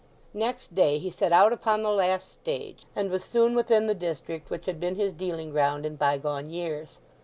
Next day he set out upon the last stage, and was soon within the district which had been his dealing ground in bygone years.